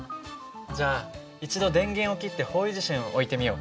じゃあ一度電源を切って方位磁針を置いてみよう。